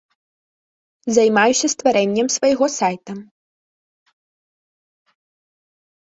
Займаюся стварэннем свайго сайта.